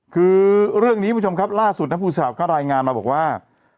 คือเรื่องนี้ผู้ชมครับร่าสุทธิ์และฟูจะปูครับก็รายงานมาบอกว่า